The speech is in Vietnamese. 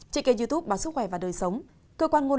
chị kênh youtube bản sức khỏe và đời sống